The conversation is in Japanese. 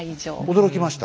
驚きました。